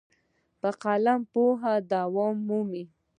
په قلم پوهه دوام مومي.